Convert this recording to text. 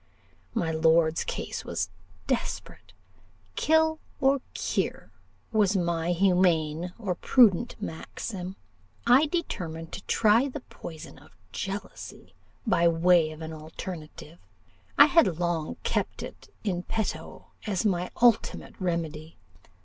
My lord's case was desperate. Kill or cure was my humane or prudent maxim. I determined to try the poison of jealousy, by way of an alterative. I had long kept it in petto as my ultimate remedy.